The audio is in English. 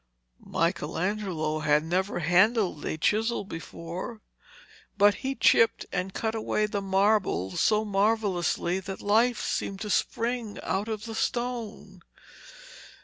Michelangelo had never handled a chisel before, but he chipped and cut away the marble so marvellously that life seemed to spring out of the stone.